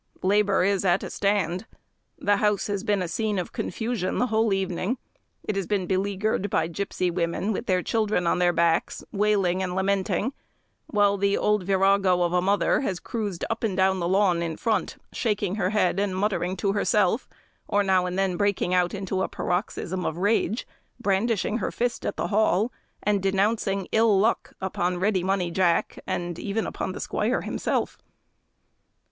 Labour is at a stand. The house has been a scene of confusion the whole evening. It has been beleaguered by gipsy women, with their children on their backs, wailing and lamenting; while the old virago of a mother has cruised up and down the lawn in front, shaking her head and muttering to herself, or now and then breaking out into a paroxysm of rage, brandishing her fist at the Hall, and denouncing ill luck upon Ready Money Jack, and even upon the squire himself.